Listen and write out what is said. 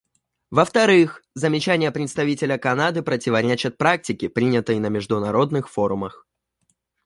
Во-вторых, замечания представителя Канады противоречат практике, принятой на международных форумах.